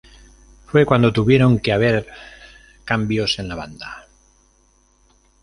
Fue cuando tuvieron que haber cambios en la banda.